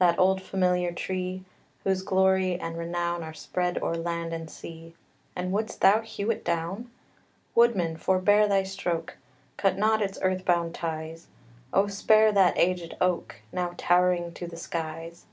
That old familiar tree, Whose glory and renown Are spread o'er land and sea And wouldst thou hew it down? Woodman, forebear thy stroke! Cut not its earth bound ties; Oh, spare that aged oak, Now towering to the skies!